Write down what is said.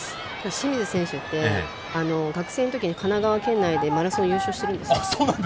清水選手って学生時代神奈川県内でマラソン優勝してるんですよ。